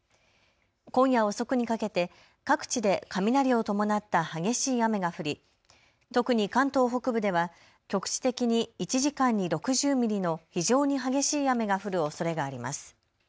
今夜遅くにかけて各地で雷を伴った激しい雨が降り特に関東北部では局地的に１時間に６０ミリの非常に激しい雨が降るおそれがあります。